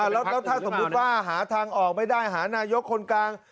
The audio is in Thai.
แล้วถ้าสมมุติว่าหาทางออกไม่ได้หานายกคนกลาง